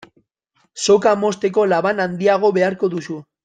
Soka mozteko laban handiago beharko duzu.